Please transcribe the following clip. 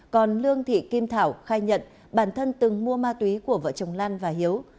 còn lương thị kim thảo khai nhận bản thân từng mua ma túy của vợ chồng lan và hiếu